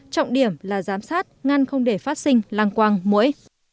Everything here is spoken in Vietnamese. trọng điểm là giám sát ngăn không để phát sinh lang quang mũi